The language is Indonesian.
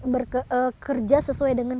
bekerja sesuai dengan